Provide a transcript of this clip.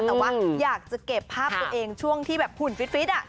แต่ว่าอยากจะเก็บภาพตัวเองช่วงที่แบบหุ่นฟิต